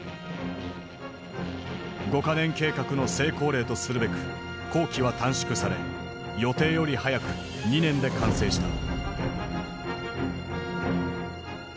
五か年計画の成功例とするべく工期は短縮され予定より早く２年で完成した。